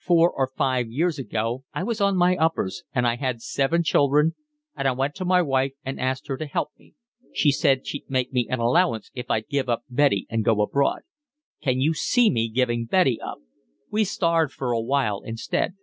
Four or five years ago I was on my uppers, and I had seven children, and I went to my wife and asked her to help me. She said she'd make me an allowance if I'd give Betty up and go abroad. Can you see me giving Betty up? We starved for a while instead.